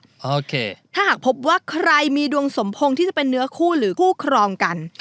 โอเคถ้าหากพบว่าใครมีดวงสมพงษ์ที่จะเป็นเนื้อคู่หรือคู่ครองกัน